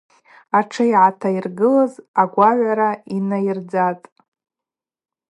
Йтшы ъатайыргылыз агвагӏвара йнайырдзатӏ.